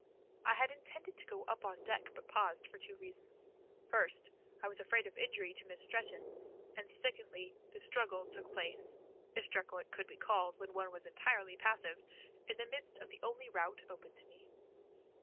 I had intended to go up on deck, but paused for two reasons. First I was afraid of injury to Miss Stretton, and secondly the struggle took place, if struggle it could be called when one was entirely passive, in the midst of the only route open to me.